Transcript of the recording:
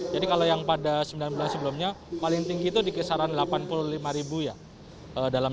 jadi kalau yang pada sembilan bulan sebelumnya paling tinggi itu di kisaran rp delapan puluh lima dalam satu bulan